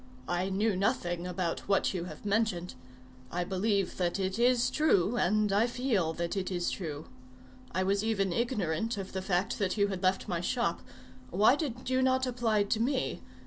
I knew nothing about what you have mentioned. I believe that it is true, and I feel that it is true. I was even ignorant of the fact that you had left my shop. Why did you not apply to me?